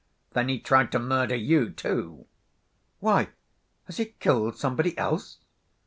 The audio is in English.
then he tried to murder you, too?" "Why, has he killed somebody else?"